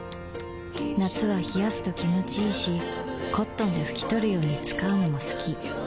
夏は冷やすと気持ちいいし灰奪肇で拭き取るように使うのも好き